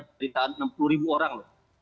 perintah enam puluh orang